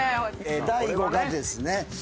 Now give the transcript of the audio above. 大悟がですね